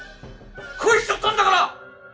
恋しちゃったんだから！